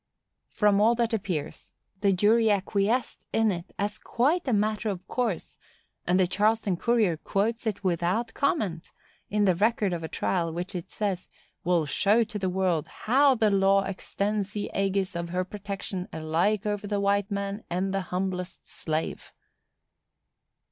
From all that appears, the jury acquiesced in it as quite a matter of course; and the Charleston Courier quotes it without comment, in the record of a trial which it says "will show to the world HOW the law extends the ægis of her protection alike over the white man and the humblest slave."